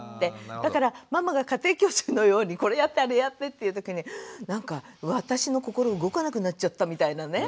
だからママが家庭教師のようにこれやってあれやってっていうときになんか私の心動かなくなっちゃったみたいなね。